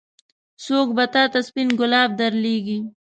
څوک به تا ته سپين ګلاب درلېږي.